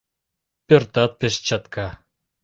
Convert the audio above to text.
Пӧртат пеш чатка.